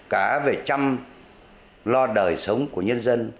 cả về chăm lo đời sống của nhân dân